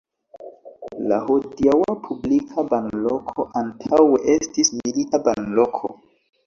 La hodiaŭa publika banloko antaŭe estis milita banloko.